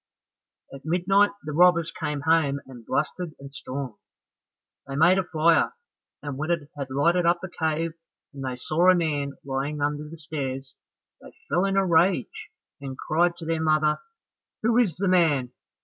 At midnight the robbers came home and blustered and stormed. They made a fire, and when it had lighted up the cave and they saw a man lying under the stairs, they fell in a rage and cried to their mother, "Who is the man?